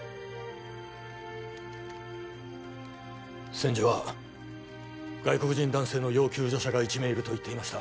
千住は外国人男性の要救助者が１名いると言っていました